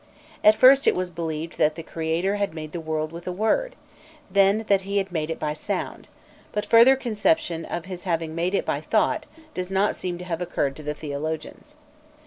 At first it was believed that the creator had made the world with a word, then that he had made it by sound; but the further conception of his having made it by thought does not seem to have occurred to the theologians.